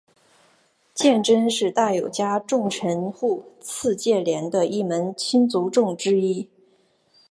鉴贞是大友家重臣户次鉴连的一门亲族众之一。